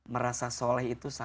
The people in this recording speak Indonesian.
merasa soleh itu salah